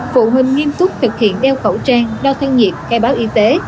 phụ huynh nghiêm túc thực hiện đeo khẩu trang đo thân nhiệt khai báo y tế